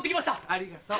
ありがと。